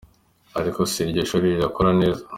Ariko se iryo shuri rirakora neza ?.